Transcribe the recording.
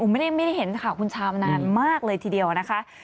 ไม่ได้เห็นข่าวคุณชาวมานานมากเลยทีเดียวนะคะ